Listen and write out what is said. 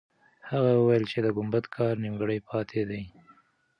هغه وویل چې د ګمبد کار نیمګړی پاتې دی.